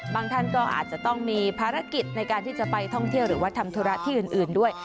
ท่านก็อาจจะต้องมีภารกิจในการที่จะไปท่องเที่ยวหรือว่าทำธุระที่อื่นด้วย